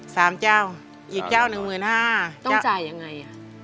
เจ้าอีกเจ้าหนึ่งหมื่นห้าต้องจ่ายยังไงอ่ะ